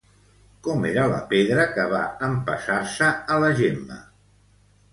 Com era la pedra que va empassar-se a la Gemma?